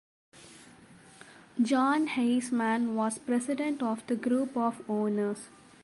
John Heisman was president of the group of owners.